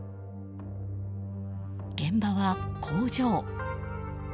現場は工場。